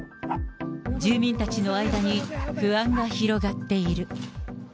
住民たちの間に不安が広がっている。